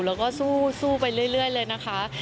แล้วก็สู้ไปเรื่อยเลยนะคะ